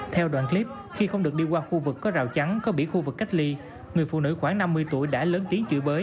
theo đoạn clip khi không được đi qua khu vực có rào chắn có biển khu vực cách ly người phụ nữ khoảng năm mươi tuổi đã lớn tiếng chửi bới